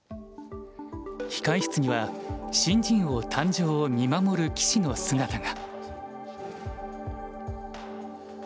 控え室には新人王誕生を見守る棋士の姿が。